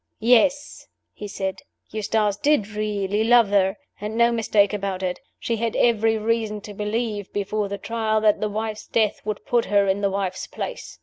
"Yes," he said, "Eustace did really love her and no mistake about it. She had every reason to believe (before the Trial) that the wife's death would put her in the wife's place.